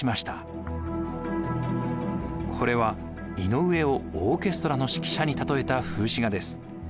これは井上をオーケストラの指揮者に例えた風刺画です。